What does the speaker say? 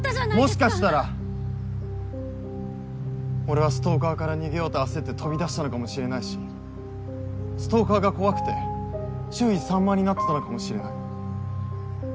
もしかしたら俺はストーカーから逃げようと焦って飛び出したのかもしれないしストーカーが怖くて注意散漫になってたのかもしれない。